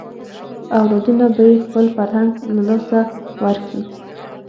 اولادونه به یې خپل فرهنګ له لاسه ورکړي.